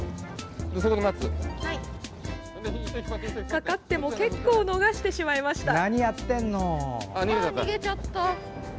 かかっても結構逃してしまいました。